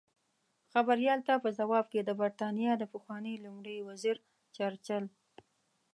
خبریال ته په ځواب کې د بریتانیا د پخواني لومړي وزیر چرچل